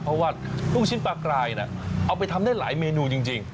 เพราะว่าลูกชิ้นปลากรายเอาไปทำได้หลายเมนูจริง